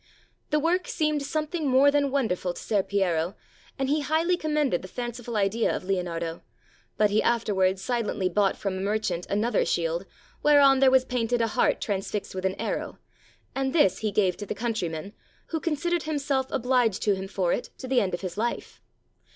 The work seemed something more than wonderful to Ser Piero, and he highly commended the fanciful idea of Leonardo, but he afterwards silently bought from a merchant an other shield, whereon there was painted a heart trans fixed with an arrow, and this he gave to the country man, who considered himself obhged to him for it to the end of his life.